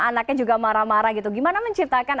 anaknya juga marah marah gitu gimana menciptakan